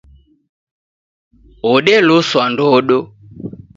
Odeloswa ndodo